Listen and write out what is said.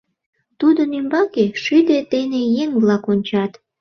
Тудын ӱмбаке шӱдӧ дене еҥ-влак ончат.